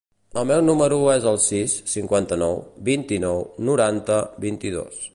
El meu número es el sis, cinquanta-nou, vint-i-nou, noranta, vint-i-dos.